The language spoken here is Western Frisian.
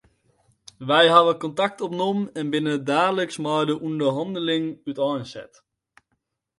Wy hawwe kontakt opnommen en binne daliks mei de ûnderhannelingen úteinset.